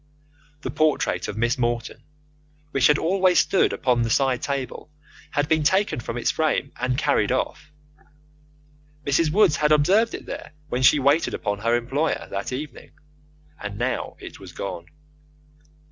The portrait of Miss Morton, which had always stood upon the side table, had been taken from its frame, and carried off. Mrs. Woods had observed it there when she waited upon her employer that evening, and now it was gone.